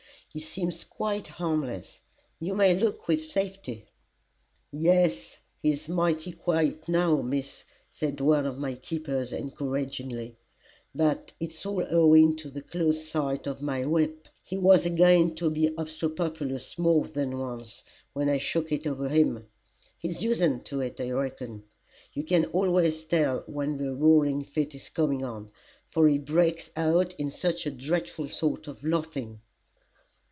He seems quite harmless you may look with safety." "Yes, he's mighty quiet now, Miss," said one of my keepers encouragingly, "but it's all owing to a close sight of my whip. He was a guine to be obstropolous more than once, when I shook it over him he's usen to it, I reckon. You can always tell when the roaring fit is coming on for he breaks out in such a dreadful sort of laughing."